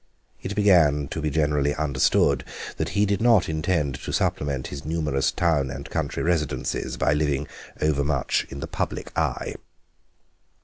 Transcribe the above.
It began to be generally understood that he did not intend to supplement his numerous town and country residences by living overmuch in the public eye.